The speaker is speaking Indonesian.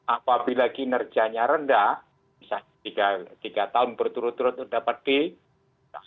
apabila kinerjanya rendah bisa tiga tahun berturut turut untuk dapat di